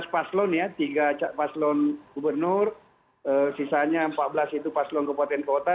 tujuh belas paslon ya tiga paslon gubernur sisanya empat belas itu paslon kabupaten kota